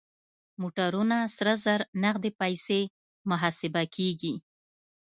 موټرونه سره زر نغدې پيسې محاسبه کېږي.